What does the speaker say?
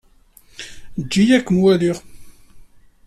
Ejj-iyi ad kem-waliɣ.